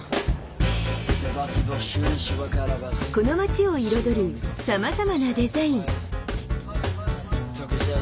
この街を彩るさまざまなデザイン。